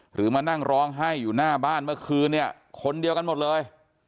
หรือมานั่งร้องไห้อยู่หน้าบ้านเมื่อคืนเนี่ยคนเดียวกันหมดเลย